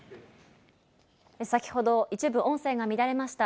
先ほど、一部音声が乱れました。